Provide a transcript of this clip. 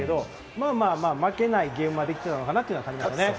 まあまあ負けないゲームができたのかなと思います。